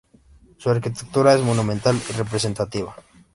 Su arquitectura es monumental y representativa.